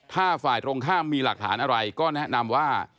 ถ้าฝ่ายตรงข้ามมีหลักฐานอะไรก็แนะนำว่า